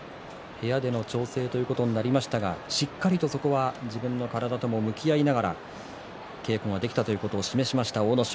部屋での調整ということになりましたが、しっかりと自分の体とも向き合いながら稽古ができたということを示しました、阿武咲。